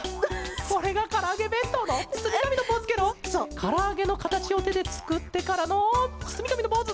からあげのかたちをてでつくってからのつつみがみのポーズ！